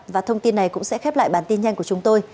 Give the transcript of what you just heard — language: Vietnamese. và thông tin này cũng sẽ khép lại bản tin nhanh của chúng tôi